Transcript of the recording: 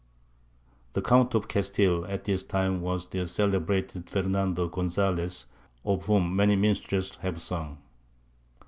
The Count of Castile at this time was the celebrated Fernando Gonzalez, of whom many minstrels have sung.